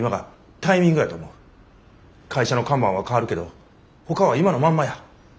会社の看板は変わるけどほかは今のまんまや。